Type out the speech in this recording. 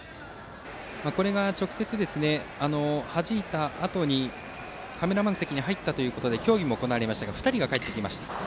これが直接、はじいたあとにカメラマン席に入ったとして協議も行われましたが２人かえりました。